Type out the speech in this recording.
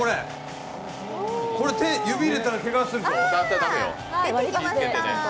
すげぇ、指入れたらけがするぞ。